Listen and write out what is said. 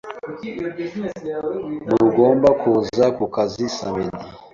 Ntugomba kuza kukazi samedi.